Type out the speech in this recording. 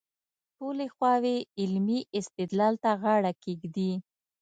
ټولې خواوې علمي استدلال ته غاړه کېږدي.